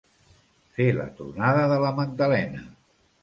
Fer la tronada de la Magdalena.